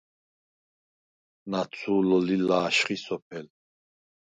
ნაცუ̄ლ ლი ლა̄შხი სოფელ.